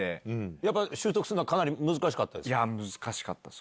やっぱ習得するのはかなり難いや、難しかったです。